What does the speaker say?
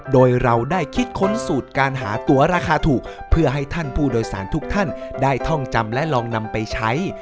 โดยเราได้คิดค้นสูตรการหาตัวราคาถูกเพื่อให้ท่านผู้โดยสารทุกท่านได้ท่องจำและลองนำไปใช้